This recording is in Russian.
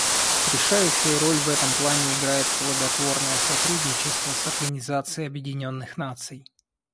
Решающую роль в этом плане играет плодотворное сотрудничество с Организацией Объединенных Наций.